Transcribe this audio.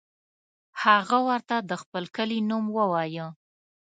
هغه ورته د خپل کلي نوم ووایه.